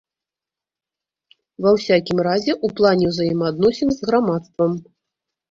Ва ўсякім разе, у плане ўзаемаадносін з грамадствам.